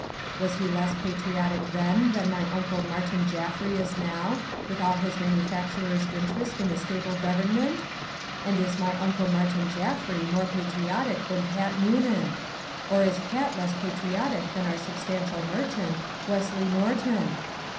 Was he less patriotic then than my Uncle Martin Jaffry is now, with all his manufacturer's interest in a stable government? And is my Uncle Martin Jaffry more patriotic than Pat Noonan? Or is Pat less patriotic than our substantial merchant, Wesley Norton?